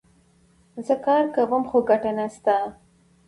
زه کار کوم ، خو ګټه نه سته